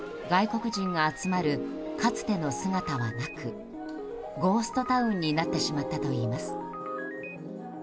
若者や外国人が集まるかつての姿はなくゴーストタウンになってしまったといいます。